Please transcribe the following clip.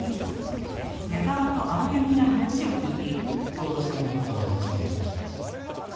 遠田さんの事はもちろん存じています。